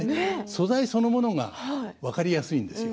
素材そのものが分かりやすいですよ。